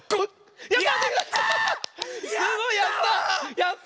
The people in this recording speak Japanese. やった！